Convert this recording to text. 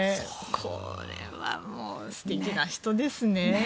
これはもう、素敵な人ですね。